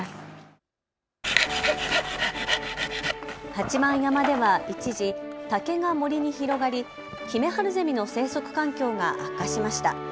八幡山では一時、竹が森に広がりヒメハルゼミの生息環境が悪化しました。